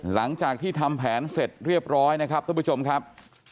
หลังจากที่ทำแผนเสร็จเรียบร้อยนะครับท่านผู้ชมครับ